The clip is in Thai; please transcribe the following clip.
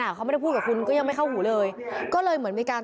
ไอ้ไอ้ไอ้ไอ้ไอ้ไอ้ไอ้